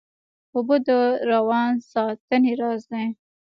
اوبه د روان ساتنې راز دي